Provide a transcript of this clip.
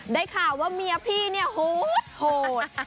ได้ข่าวว่าเมียพี่เนี่ยโหด